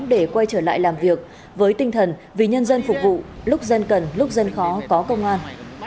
để quay trở lại làm việc với tinh thần vì nhân dân phục vụ lúc dân cần lúc dân khó có công an